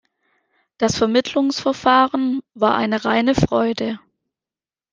Das Vermittlungsverfahren war eine reine Freude.